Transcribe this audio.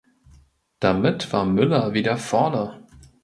Damit war Müller wieder vorne.